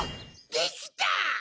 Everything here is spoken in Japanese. できた！